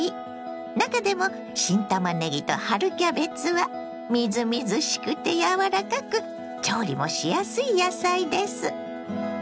中でも新たまねぎと春キャベツはみずみずしくて柔らかく調理もしやすい野菜です。